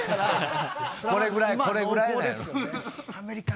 これぐらい、これぐらいなんやろ。